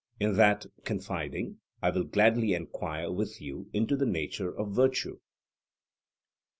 In that confiding, I will gladly enquire with you into the nature of virtue.